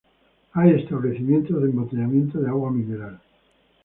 Hay establecimientos de embotellamiento de agua mineral.